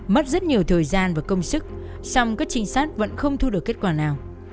mất rất nhiều thời gian và công sức song các trinh sát vẫn không thu được kết quả nào